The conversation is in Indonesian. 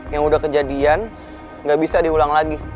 yang udah kejadian nggak bisa diulang lagi